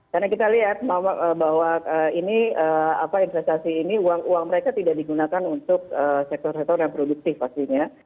karena kita lihat bahwa ini investasi ini uang uang mereka tidak digunakan untuk sektor sektor yang produktif pastinya